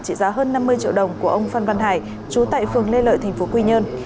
trị giá hơn năm mươi triệu đồng của ông phan văn hải trú tại phường lê lợi tp quy nhơn